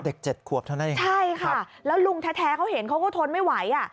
เด็กเจ็ดขวบเท่านั้นเองใช่ค่ะแล้วลุงแท้เขาเห็นเขาก็ทนไม่ไหวอ่ะ